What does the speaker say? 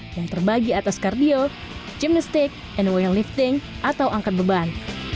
yang terbagi atas kardio jimnestik and weightlifting atau angkat beban